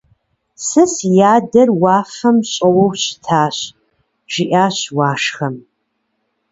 Сэ си адэр уафэм щӀэуэу щытащ, - жиӀащ Уашхэм.